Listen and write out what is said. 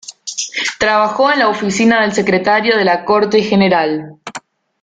Trabajó en la oficina del secretario de la corte general.